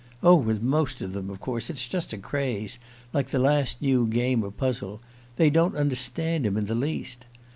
Oh, with most of them, of course, it's just a craze, like the last new game or puzzle: they don't understand him in the least.